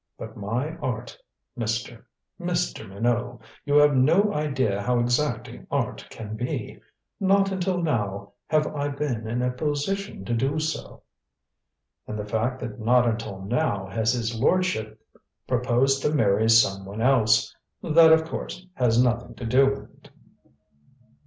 But my art Mr. Mr. Minot you have no idea how exacting art can be. Not until now have I been in a position to do so." "And the fact that not until now has his lordship proposed to marry some one else that of course has nothing to do with it?"